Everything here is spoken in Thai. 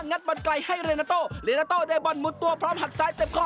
ัดบอลไกลให้เรนาโตเลนาโต้ได้บอลมุดตัวพร้อมหักซ้ายเต็มข้อ